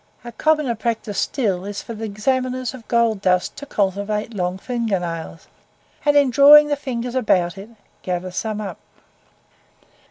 A commoner practice still is for examiners of gold dust to cultivate long finger nails, and, in drawing the fingers about it, gather some up.